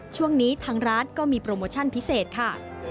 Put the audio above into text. ช่วงนี้ทางร้านก็มีโปรโมชั่นพิเศษค่ะ